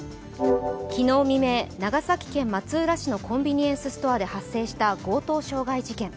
昨日未明、長崎県松浦市のコンビニエンスストアで発生した強盗傷害事件。